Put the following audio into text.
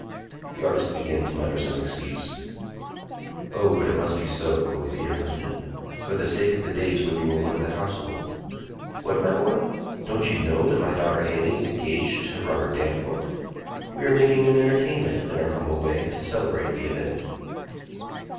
The artist began to mutter some excuse. "Oh, but it must be so," quoth Peter Hovenden, "for the sake of the days when you were one of the household. What, my boy! don't you know that my daughter Annie is engaged to Robert Danforth? We are making an entertainment, in our humble way, to celebrate the event."